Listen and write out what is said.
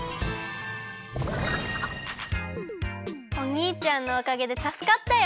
おにいちゃんのおかげでたすかったよ。